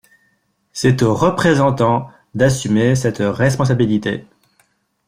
C'est aux Représentants d'assumer cette responsabilité.